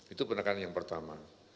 itu penekanan yang pertama